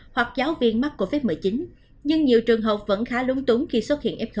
hoặc giáo viên mắc covid một mươi chín nhưng nhiều trường học vẫn khá lúng túng khi xuất hiện f hai